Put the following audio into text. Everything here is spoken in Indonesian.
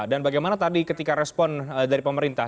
dan bagaimana tadi ketika respon dari pemerintah